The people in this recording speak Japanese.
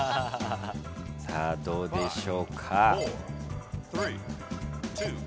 さあどうでしょうか。